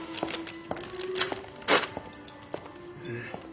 うん。